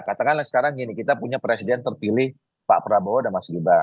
katakanlah sekarang gini kita punya presiden terpilih pak prabowo dan mas gibran